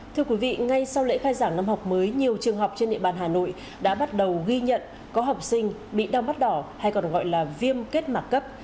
thưa quý vị ngay sau lễ khai giảng năm học mới nhiều trường học trên địa bàn hà nội đã bắt đầu ghi nhận có học sinh bị đau mắt đỏ hay còn gọi là viêm kết mạc cấp